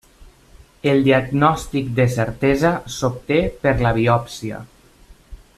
El diagnòstic de certesa s'obté per la biòpsia.